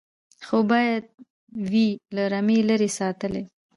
خو باید وي له رمې لیري ساتلی